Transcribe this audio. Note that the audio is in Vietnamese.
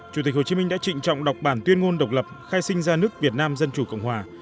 chủ tịch hồ chí minh đã trịnh trọng đọc bản tuyên ngôn độc lập khai sinh ra nước việt nam dân chủ cộng hòa